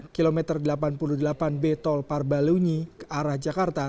kilometer delapan puluh delapan b tol parbalunyi ke arah jakarta